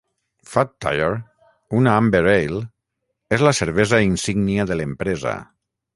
Fat Tire, una amber ale, és la cervesa insígnia de l'empresa.